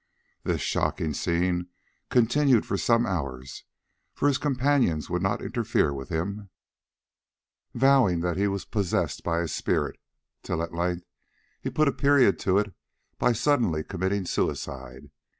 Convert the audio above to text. This shocking scene continued for some hours, for his companions would not interfere with him, vowing that he was possessed by a spirit, till at length he put a period to it by suddenly committing suicide.